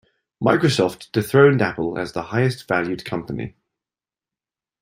Microsoft dethroned Apple as the highest valued company.